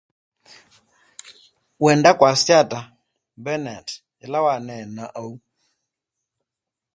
What do you mean, Mr. Bennet, by talking in this way?